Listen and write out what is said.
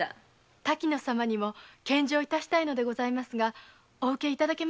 滝乃様にも献上致したいのですがお受けいただけますでしょうか？